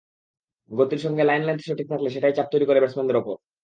গতির সঙ্গে লাইন-লেন্থ সঠিক থাকলে সেটাই চাপ তৈরি করে ব্যাটসম্যানদের ওপর।